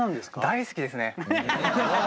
大好きですね。